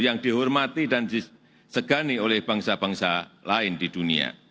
yang dihormati dan disegani oleh bangsa bangsa lain di dunia